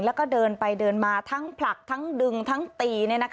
แล้วก็เดินไปเดินมาทั้งผลักทั้งดึงทั้งตี